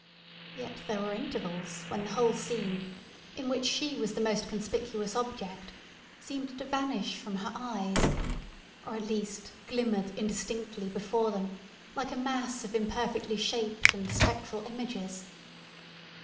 Yet there were intervals when the whole scene, in which she was the most conspicuous object, seemed to vanish from her eyes, or, at least, glimmered indistinctly before them, like a mass of imperfectly shaped and spectral images.